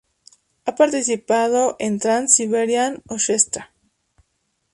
Ha participado en Trans-Siberian Orchestra.